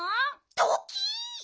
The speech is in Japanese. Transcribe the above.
ドキッ！